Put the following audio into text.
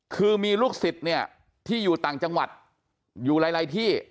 คือมีลูกศิษย์เนี่ยที่อยู่ต่างจังหวัดอยู่หลายที่